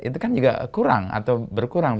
itu kan juga kurang atau berkurang